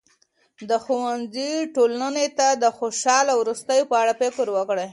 د ښوونځي ټولنې ته د خوشاله وروستیو په اړه فکر وکړي.